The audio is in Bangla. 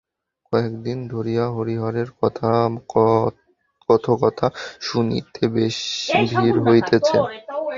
কয়েকদিন ধরিয়া হরিহরের কথকতা শুনিতে বেশ ভিড় হইতেছে।